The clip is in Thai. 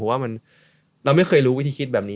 เพราะว่าเราไม่เคยรู้วิธีคิดแบบนี้